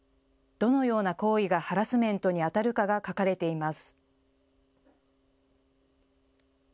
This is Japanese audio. どのような行為がハラスメントにあたるかが書かれています。